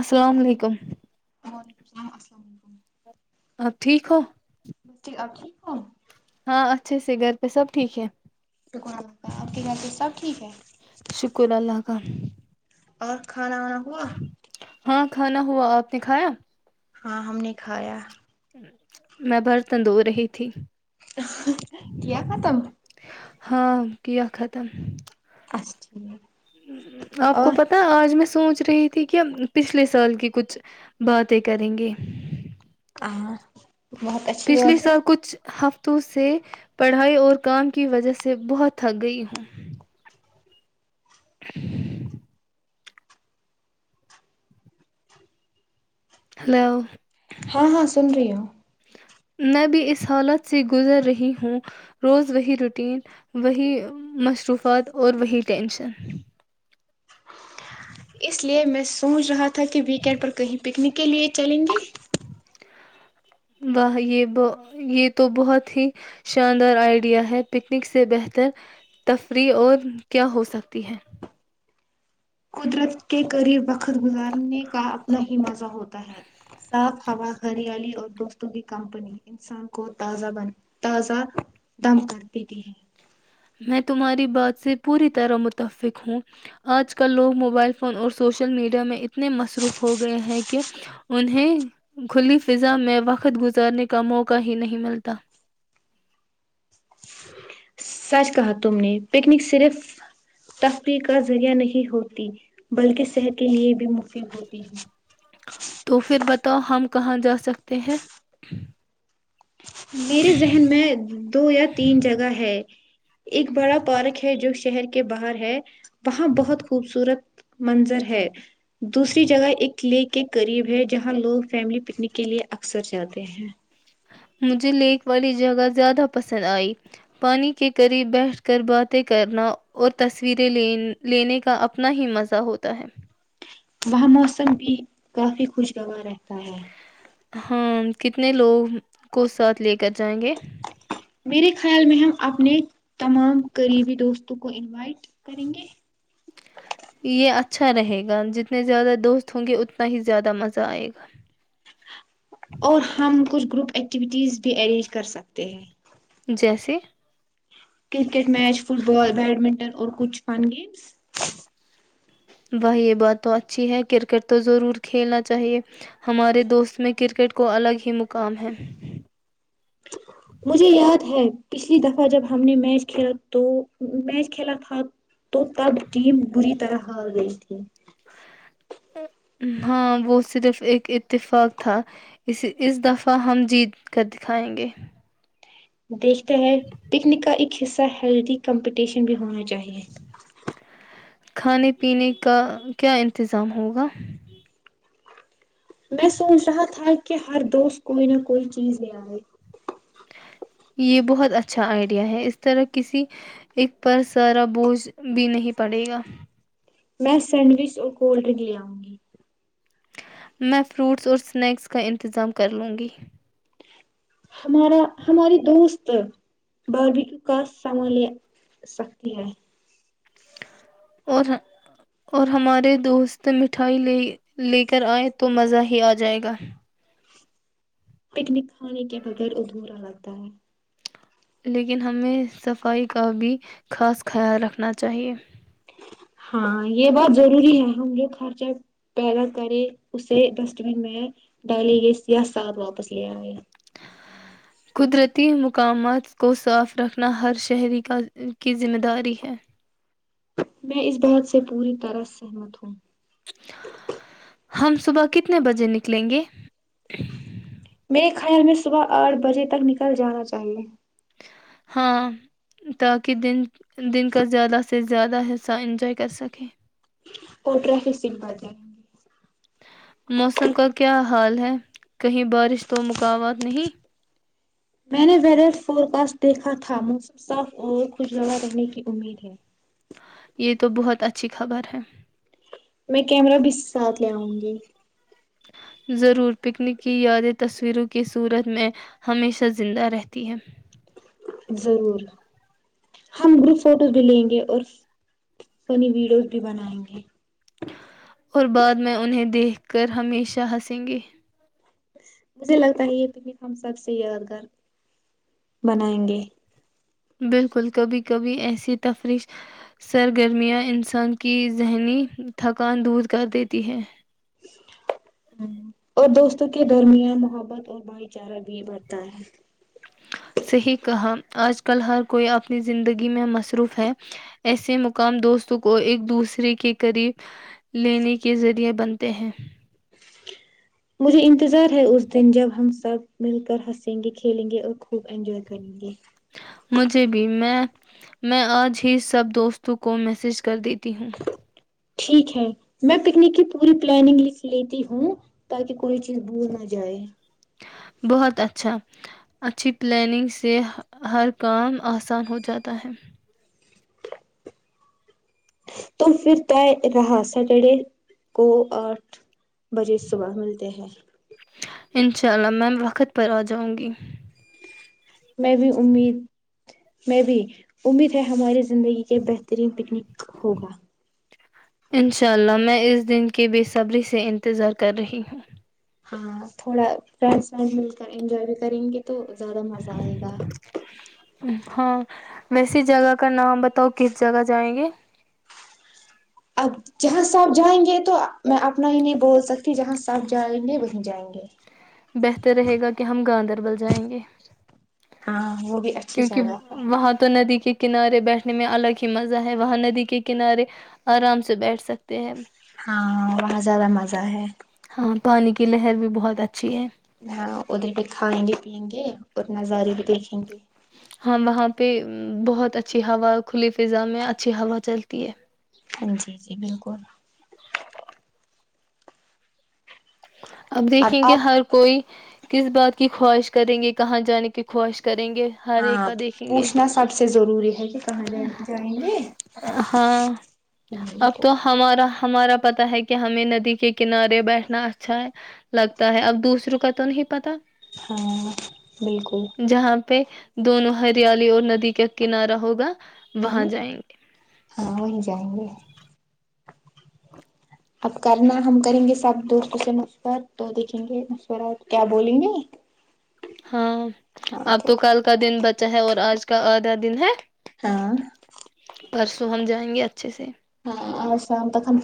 السلام علیکم وعلیکمسلامسلام علیکم اب ٹھیک ہو ہاں ہاں اچھے سے گھر پہ سب ٹھیک ہے شکر ال کالہ آپ کے خیال سے سب ٹھیک ہے کم ا کھانا وانا ہوا ہاں کھانا ہوا آپ نے کھایا ہاں ہم نے کھایا میں بھر تندو رہی تھی کیا ختم گ ختم اچھا ٹھیک آپ کو اور پتا آج میں سوچ چ رہی تھی کہ پچھلے سال کی کچھ باتیں کریں گے ہاں بہت اچھی پچھلے بات ہے سال کچھ ہفتوں سے پڑھائی اور کام کی وجہ سے بہت تھک گئی ہوں ہلو ہاں ہاں سن رہی ہوں میں اس لیے میں سوچ رہا تھا ت کہ ویکینڈ پر کہیں پکنک کے لیے چلیں گے اہ یہ تو بہت ہی شاندار آئیڈیا ہے پکنک سے بہتر تفریح اور کیا ہو سکتی ہے قدرت کے قریب وقت گزارنے کا اپنا ہی مزہ ہوتا ہے صاف ہوا ہریالی اور دوستوں کی کمپنی انسان کو تازہ بن تازہ دم کر دیتی ہے میں سچ کہا تم نے پکنک صرف تفریح کا ذریعہ نہیں ہوتی بلکہ صحت کے لیے بھی مفید ہوتی ہے تو پھر بتاؤ ہم کہاں جا سکتے ہیں میرے ذہن میں دو یا تین جگہ ہے ایک بڑا پارک ہے جو شہر کے باہر ہے وہاں بہت خوبصورت منظر ہے دوسری جگہ ایک لییک کے قریب ہے جہاں لوگ فیملی پکنک کے لیے اکثر جاتے ہیں مجھے لیک والی جگہ زیادہ پسند آئی پانی کے قریب بیٹھ کر باتیں کرنا اور تصویریں ل لینے کا اپنا ہی مزہ ہوتا ہے وہاں موسم بھی کافی خوشگوارا ہے ہاں کتنے لوگ کو ساتھ لے کر جائیں گے میرے خیال میں ہم اپنے تمام قریبی دوستوں کو انوائٹ کریں گے یہ اچھا رہے گا جتنے زیادہ دوست ہوں گے اتنا ہی زیادہ مزہ آئے گا اور ہم کچھ گروپ ایکٹیوٹیز بھی ارینج کر سکتے ہیں جیسے cricket match football badminton اور کچھ فن گیمز وہاہ یہ بات تو اچھی ہے کرکٹ تو ضرور کھیلنا چاہیئے ہمارے دوست میں کرکٹ کو الگ ہی مقام ہے مجھے یاد ہے پچھلی دفعہ جب ہم نے میچ کھیلا تو میچ کھیلا تھا تو تب ٹیم بری طرح ہار گئی تھی ہاں وہ صرف ایک اتفاق تھا اس اس دفعہ ہم جیت کر دکھائیں گے دیکھتے ہیں پکنک کا ایک حصہ ہیلدی کمپٹیشن بھی ہونا چاہیے کھانے پینے کا کیا انتظام ہوگا میں سوچ رہا تھا کیا ہر دوست کوئی نہ کوئی چیز لیای یہ بہت اچھا آئیڈیا ہے اس طرح کسی ایک پر سارا بوجھ بھی نہیں پڑے گا میں سینڈوچ اور کولڈ ڈرنک لے آؤں گی میں فروٹس اور سنیکس کا انتظام کر لوں گی ہمارا ہماری دوست باربیکیوں کا سمان لے سکتی ہے اور ہمارے دوست مٹھائی لے کر آئے تو مزہ ہی آ جائے گا پکنک کھانے کے بغیر ابھورا لتا ہے لیکن ہمیں صفائی کا بھی خاص خیال رکھنا چاہیے ہاں یہ بات ضروری ہے ہم جو خرچہ پیدا کریں اسے ڈسٹ بین میں ڈالیں گے یا ساتھ واپس لے آ گے قدرتی مقامات کو صاف رکھنا ہر شہری کی ذمہ داری ہے میں اس بات سے پوری طرح سہمت ہوں ہم صبح کتنے بجے نکلیں گے میرے خیال میں صبح آٹھ بجے تک نکل جانا چاہیے ہاں تاکہ دن دن کا زیادہ سے زیادہ حصہ انجوائے کر سکے کو ٹریافک سم پڑ جائے گ موسم کا کیا حال ہے کہیں بارش تو مقوات نہیں میں نے وڈٹ فورکسٹ دیکھا تھا موسم صاف اور خوشگوا رہنے کی امید ہے یہ تو بہت اچھی خبر ہے میں کیمرہ بھی اس کے ساتھ لے آؤں گی ضرور پکنک کی یادیں تصویروں کی صورت میں ہمیشہ زندہ رہتی ہیں ضرور ہم گروپ فوٹوز بھی لیں گے اور فنی ویڈیوز بھی بنائیں گے اور بعد میں انہیں دیکھ کر ہمیشہ ہنسیں گے مجھے لگتا ہے یہ تو ہم سب سے یادگار بنائیں گے بالکل کبھی کبھی ایسی تفریش سرگرمیاں انسان کی ذہنی تھکان دور کر دیتی ہیں ہ اور دوستوں کے درمیان محبت اور بھائی چارہ بھی بڑھتا ہے صحیح کہا آج کل ہر کوئی اپنی زندگی میں مصروف ہے ایسے مقام دوستوں کو ایک دوسرے کے قریب لینے کے ذریعے بنتے ہیں مجھے انتظار ہے اس دن جب ہم سب مل کر ہنسیں گے کھیلیں گے اور خوب انجوائے کریں گے مھے بھی میں آج ہی سب دوستوں کو میسج کر دیتی ہوں ٹھیک ہے میں پکنک کی پوری پلاننگ لکھ لیتی ہوں تاکہ کوئی چیز بور نہ جائے بہت اچھا اچھی پلاننگ سے ہر کام آسان ہو جاتا ہے تو پھر تو رہا سٹرڈے کو آٹھ بریے صبح ملتے ہیں انشاء اللہ میم وقت پر آ جاؤں گی میں بھی امید میں بھی امید ہے ہماری زندگی کے بہترین پکنک ہوگا انشاء اللہ میں اس دن کی بےصبری سے انتظار کر رہی ہوں ہاں تھوڑا فرینڈس وڈ مل کر انجوائے بھی کریں گے تو زیادہ مزہ آئے گا ہاں ویسی جگہ کا نام بتاؤ کس جگہ جائیں گے اب جہاں سب جائیں گے تو میں اپنا ہی نہیں بول سکتی جہاں سب جائیں گے وہیں جائیں گے بہتر رہے گا کہ ہم گاندربل جائیں گے ہاں وہ بھی اچھی کیونکہ جگہ ہے وہاں تو ندی کے کنارے بیٹھنے میں الگ ہی مزہ ہے وہاں ندی کے کنارے آرام سے بیٹھ سکتے ہیں ہاں وہاں زیادہ مزہ ہے پانی کی لہر بھی بہت اچھی ہے ہاں ادھر بھی کھائیں گے پیئیں گے اور نظارے بھی دیکھیں گے ہاں وہاں پہ بہت اچھی ہوا کھلی فضا میں اچھی ہوا چلتی ہے ہ جی جی بالکل ج اب دیکھیں گے ہر کوئی کس بات کی خواہش کریں گے کہاں جانے کی خواہش کریں گے ہر ہاں ایک کا دیکھیں گے پوچھنا سب سے ضروری کہ کہاں جائ جائیں گے ہاں اب تو ہمارا ہمارا پتا ہے کہ ہمیں ندی کے کنارے بیٹھنا اچھا ہے لگتا ہے اب دوسروں کا تو نہیں پتا ہاں بالکل جہاں پہ دونوں ہریالی اور ندی کا کنارہ ہوگا ہ وہاں جائیں گے ہاں وہی جائیں گے اب کرنا ہم کریں گے سب دوستوں سے مشورہ تو دیکھیں گے مشورہ کیا بولیں گے ہاں آپ تو کل کا دن بتا چاہے اور آج کا آدھا دن ہے ہاں پرسوں ہم جائیں گے اچھے سے اور شام تک ہم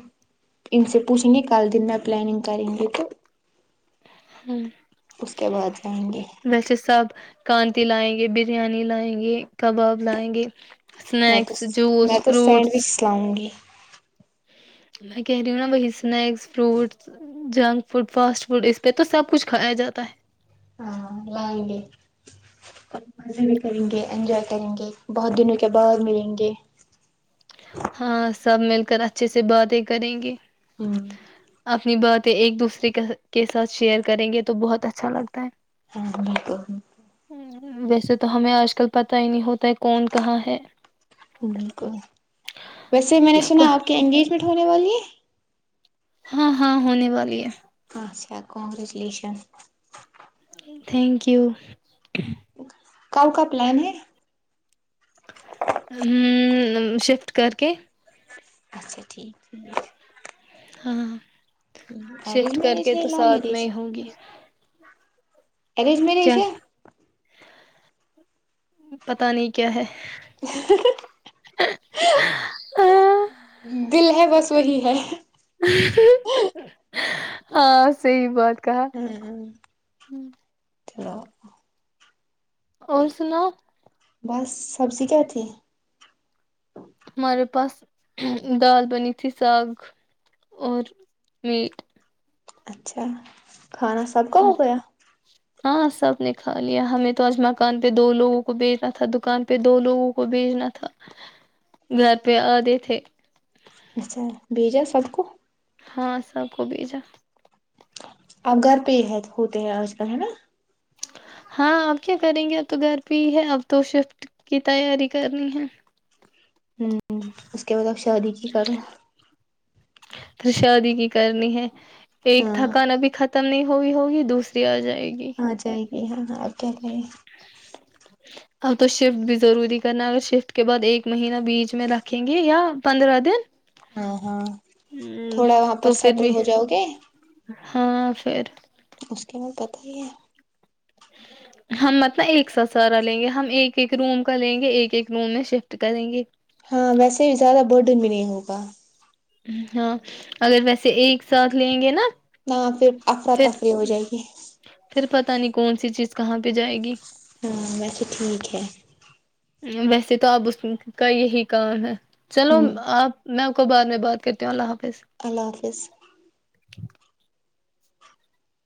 ان سے پوچھیں گے کل دن میں پلاننگ کریں گے تو ہوں اس کے بعد جائیں گے سب کانتی لائیں گے بریانی لائیں گے کباب لائیں گے میں تو اسنیکس میں جوس تو فروٹس سینڈوچ لاؤں گی میں کہہ رہی ہوں نا وہی snacks fruits junk food fast food اس پہ تو سب کچھ کھایا جاتا ہے ہاں لائیں گے اور مزے بھی کریں گے انجوائے کریں گے بہت دنوں کے بعد ملیں گے ہاں سب مل کر اچھے سے باتیں کریں گے ہوں اپنی باتیں ایک دوسرے کے کے ساتھ شیئر کریں گے تو بہت اچھا لگتا ہے ہاں بالکل ویسے تو ہمیں آج کل پتا ہی نہیں ہوتا ہے کون کہاں ہے بالکل ویسے میں نے کیا پر سنا آپ کی انگیجمنٹ ہونے والی ہے ہاں ہاں ہونے والی ہے اچھا کنگریچولیشن تھینک یو کاؤ کا پلان ہے ہ شفٹ کر کے اچھا ٹھیک ہے، ہاں ہ شفٹ ارینج کر میرج کے ہے تو لو ساتھ میرج میں ہگی اریج میں رہیس پتا نہیں کیا ہے دل ہے بس وہی ہے ہاں صحی بات کہا ہاں ہ چلو اور سنا بس سبزی کیا تھی پھی ساگ اور م اچھا کھانا سب کا ہو گیا ہاں سب نے کھا لیا ہمیں تو آج مکان پہ دو لوگوں کو بھیجنا تھا دکان پہ دو لوگوں کو بھیجنا تھا گھر پہ آدے تھے اچھا بھیجا سب کو ہاں سب کوبی جا اپ گھر پہ ہی ہے ہوتے ہیں آج کل ہے نا ہاں اب کیا کریں گے اب تو گھر پہ ہی ہے اب تو شفٹ کی تیاری کرنی ہے ہوں اس کے بعد ا شادی کی کرو پھر شادی کی کرنی ہے ایک ہاں تھکان ا بھیط ختم نہیں ہوئی ہوگی دوسری آ جائے رہائے گی یہ آے کریں اب تو شفٹ بھی ضروری کرنا ہے اگر شفٹ کے بعد ایک مہینہ بیچ میں رکھیں گے یا پندرہ دن ہاں ہاں تھوڑا وہاں پر تو پھر سیٹل بھی ہو جاؤ گے ہاں پھر مشک میں پتا ہی ہے ہم متب ایک سا سارا لیں گے ہم ایک ایک روم کا لیں گے ایک ایک روم میں شفٹ کریں گے ہاں ویسے بھی زیادہ بوڈن بھی نہیں ہوگا ہاں اگر ویسے ایک ساتھ لیں گے نا نہ پھر افر پھر تفری ہو جائےے پھر پتہ نہیں کون سی چیز کہاں پہ جائے گی ہاں بس ٹھیک ہے ویسے تو آپ اس کا یہی کام ہے چلو ہوں آپ میں بعد میں بات کرتے ہ اللہ حافظ اللہ حافظ